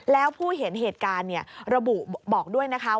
แล้วผู้เห็นเหตุการณ์ระบุบอกด้วยนะคะ